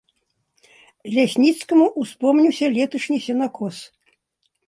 Лясніцкаму ўспомніўся леташні сенакос.